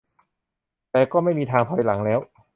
แต่ก็ไม่มีทางถอยหลังแล้ว